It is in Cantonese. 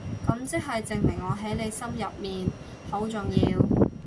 噉即係證明我喺你心入面好重要